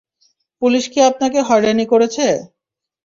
Police কী আপনাকে হয়রানি করেছে?